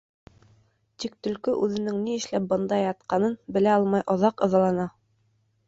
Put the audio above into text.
Тик төлкө үҙенең ни эшләп бында ятҡанын белә алмай оҙаҡ ыҙалана.